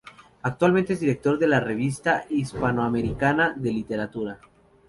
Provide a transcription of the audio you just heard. Actualmente es director de la "Revista Hispanoamericana de Literatura".